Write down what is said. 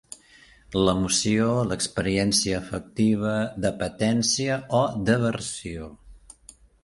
L'emoció, l'experiència afectiva, d'apetència o d'aversió.